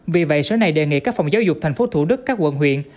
vì vậy sở này đề nghị các phòng giáo dục tp hcm các quận huyện